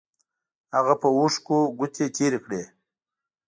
هغه په وښکیو ګوتې تېرې کړې.